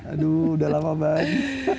aduh udah lama banget